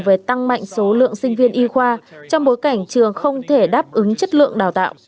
về tăng mạnh số lượng sinh viên y khoa trong bối cảnh trường không thể đáp ứng chất lượng đào tạo